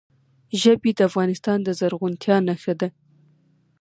ژبې د افغانستان د زرغونتیا نښه ده.